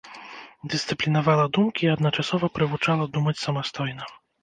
Дысцыплінавала думкі і адначасова прывучала думаць самастойна.